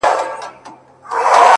شراب لس خُمه راکړه. غم په سېلاب راکه.